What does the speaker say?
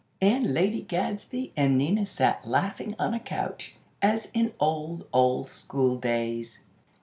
and Lady Gadsby and Nina sat laughing on a couch, as in old, old school days.